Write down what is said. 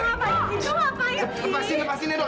lepasin lepasin edo